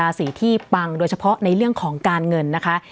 สีที่ปังโดยเฉพาะในเรื่องของการเงินนะคะ